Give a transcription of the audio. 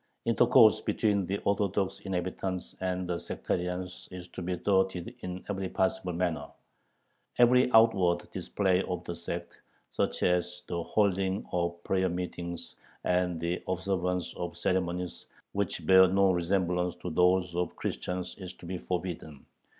Intercourse between the Orthodox inhabitants and the sectarians is to be thwarted in every possible manner. Every outward display of the sect, such as the holding of prayer meetings and the observance of ceremonies which bear no resemblance to those of Christians, is to be forbidden.